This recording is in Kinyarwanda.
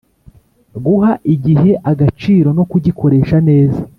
guha igihe agaciro no kugikoresha neza